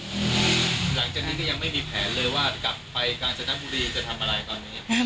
หลังจากนั้นก็ยังไม่มีแผนเลยว่ากลับไปกาญจนบุรีจะทำอะไรตอนนี้